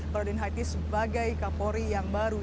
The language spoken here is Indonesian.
pak radin haitis sebagai kapolri yang baru